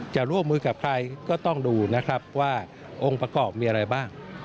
จะร่วมมือกับใครก็ต้องดูนะครับว่าองค์ประกอบมีอะไรบ้าง